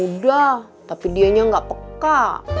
udah tapi dianya nggak peka